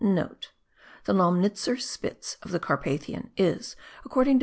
(* The Lomnitzer Spitz of the Carpathians is, according to M.